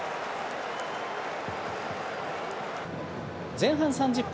前半３０分。